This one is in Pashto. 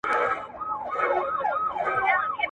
خو احمق سلطان جامې نه وې ليدلي